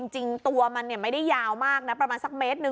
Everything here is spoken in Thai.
จริงตัวมันไม่ได้ยาวมากนะประมาณสักเมตรหนึ่ง